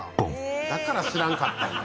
だから知らんかったんや。